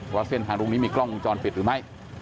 ว่าเส้นทางตรงนี้มีกล้องวงจรปิดหรือไม่